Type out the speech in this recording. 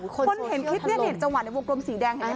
คนเห็นคลิปนี้เห็นจังหวัดในวงกลมสีแดง